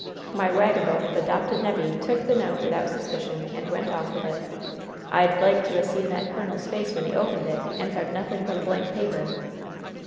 "My wagabone of a 'dopted nevvy took the note without suspicion, and went off with it. I'd like to 'a' seen that colonel's face when he opened it and found nothing but a blank paper!